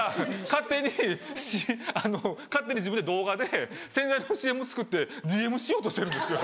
勝手に自分で動画で洗剤のＣＭ作ってＤＭしようとしてるんですよ。